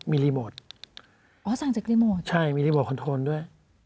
มีรีโมทอ๋อสั่งจากรีโมทใช่มีรีโมทคอนโทนด้วย